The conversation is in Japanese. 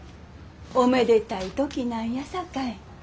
おめでたい時なんやさかい。